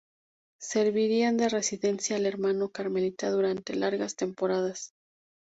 Servirían de residencia al hermano carmelita durante largas temporadas.